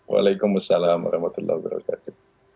waalaikumsalam warahmatullahi wabarakatuh